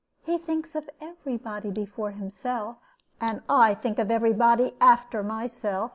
He thinks of every body before himself." "And I think of every body after myself.